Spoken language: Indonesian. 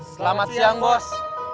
selamat siang bos